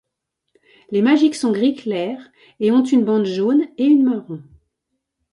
Les Magic sont gris clair, et ont une bande jaune et une marron.